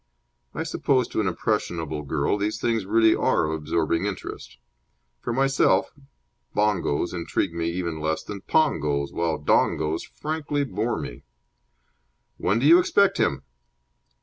I suppose to an impressionable girl these things really are of absorbing interest. For myself, bongos intrigue me even less than pongos, while dongos frankly bore me. "When do you expect him?"